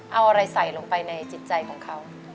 เอาอะไรใส่ลงไปในจิตใจของเขา